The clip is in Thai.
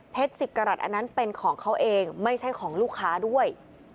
เพชรสิบกระหลัดอันนั้นเป็นของเขาเองไม่ใช่ของลูกค้าด้วย